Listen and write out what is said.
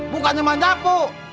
bukan nyaman jampu